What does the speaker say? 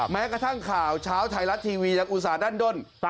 แม้กระทั่งข่าวเช้าไทยรัฐทีวียังอุตส่าหั้นด้น